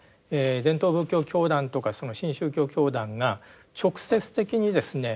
伝統仏教教団とか新宗教教団が直接的にですね